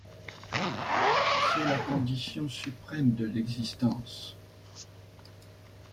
C'est la condition suprême de l'existence.